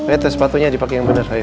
ayo terus sepatunya dipakai yang bener ayo